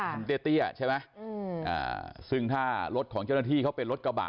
คุณเตี้ยใช่ไหมซึ่งถ้ารถของเจ้าหน้าที่เขาเป็นรถกระบะ